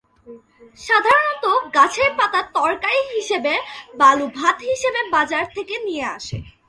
সাধারনত গাছের পাতা তরকারি হিসেবে, বালু ভাত হিসেবে বাজার থেকে নিয়ে আসে।